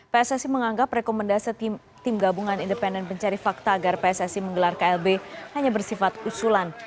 pssi menganggap rekomendasi tim gabungan independen pencari fakta agar pssi menggelar klb hanya bersifat usulan